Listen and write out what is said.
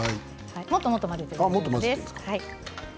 もっともっと混ぜてください。